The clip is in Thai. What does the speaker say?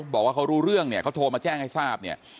บอกว่าเขารู้เรื่องเนี่ยเขาโทรมาแจ้งให้ทราบเนี่ย